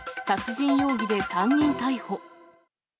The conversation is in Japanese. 殺人容疑で３人逮捕。